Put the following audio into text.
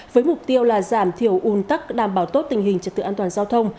với mục tiêu là giảm thiểu un tắc đảm bảo tốt tình hình trật tự an toàn giao thông